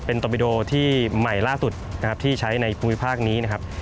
ตอบิโดที่ใหม่ล่าสุดนะครับที่ใช้ในภูมิภาคนี้นะครับ